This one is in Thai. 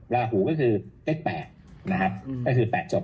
ราหูก็คือเลข๘